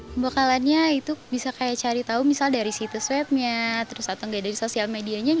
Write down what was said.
pembelakangannya itu bisa cari tahu dari situs webnya atau dari sosial medianya